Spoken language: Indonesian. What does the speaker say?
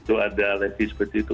itu ada levi seperti itu